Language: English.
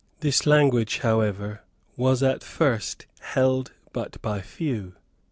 This language however was at first held but by few.